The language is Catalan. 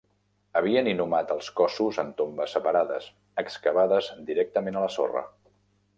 Havien inhumat els cossos en tombes separades, excavades directament a la sorra.